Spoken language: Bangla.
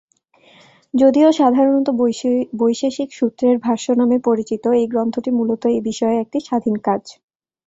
যদিও সাধারণত বৈশেষিক সূত্রের ভাষ্য নামে পরিচিত, এই গ্রন্থটি মূলত এই বিষয়ে একটি স্বাধীন কাজ।